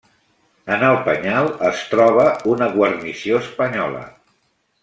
En el penyal es troba una guarnició espanyola.